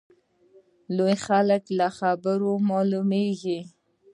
لوی خلک له خبرو معلومیږي.